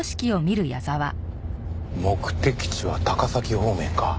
目的地は高崎方面か。